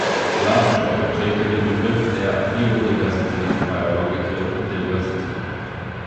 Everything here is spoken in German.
Lovejoy prägte den Begriff der Biodiversität („biological diversity“).